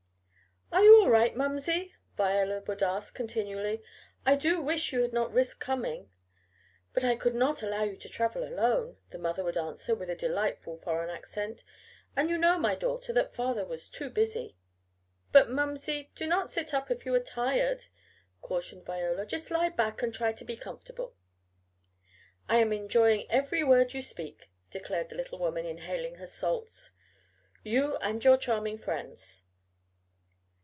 "Are you all right, momsey?" Viola would ask continually. "I do wish you had not risked coming." "But I could not allow you to travel all alone," the mother would answer with a delightful foreign accent. "And you know, my daughter, that father was too busy." "But, momsey, do not sit up if you are tired," cautioned Viola. "Just lie back and try to be comfortable." "I am enjoying every word you speak," declared the little woman, inhaling her salts. "You and your charming friends."